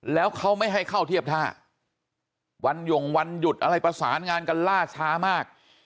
แล้วเขาไม่ให้เข้าเทียบท่าวันหย่งวันหยุดอะไรประสานงานกันล่าช้ามาก